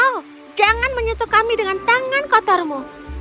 oh jangan menyentuh kami dengan tangan kotormu